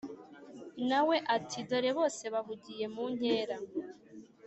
nawe ati"dore bose bahugiye munkera